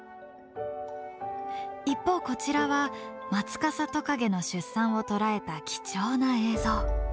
一方こちらはマツカサトカゲの出産を捉えた貴重な映像。